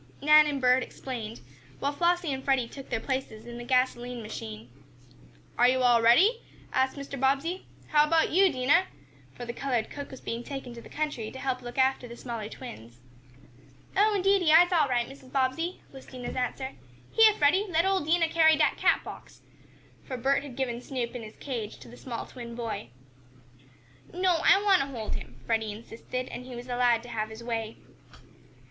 Nan and Bert explained, while Flossie and Freddie took their places in the gasoline machine. "Are you all ready?" asked Mr. Bobbsey. "How about you, Dinah?" for the colored cook was being taken to the country to help look after the smaller twins. "Oh, indeedy I'se all right, Mrs. Bobbsey," was Dinah's answer. "Heah, Freddie, let ole Dinah carry dat cat box," for Bert had given Snoop in his cage to the small twin boy. "No, I want to hold him," Freddie insisted, and he was allowed to have his way.